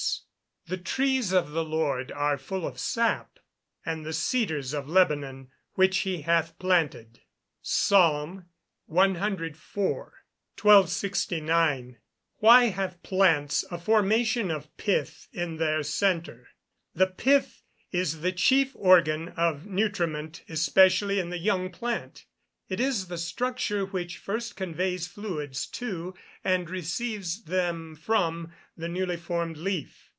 [Verse: "The trees of the Lord are full of sap: and the cedars of Lebanon which he hath planted." PSALM CIV.] 1269. Why have plants a formation of pith in their centre? The pith is the chief organ of nutriment, especially in the young plant. It is the structure which first conveys fluids to, and receives them from, the newly formed leaf.